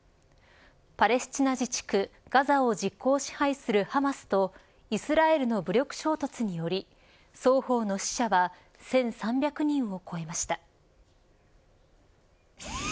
パレスチナ自治区ガザを実効支配するハマスとイスラエルの武力衝突により双方の死者は１３００人を超えました。